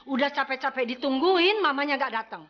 udah capek capek ditungguin mamanya gak datang